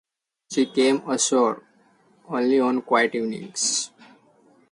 She came ashore only on quiet evenings.